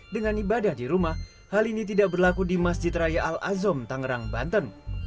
dengan ibadah di rumah hal ini tidak berlaku di masjid raya al azom tangerang banten